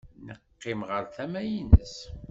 Neqqim ɣer tama-nnes.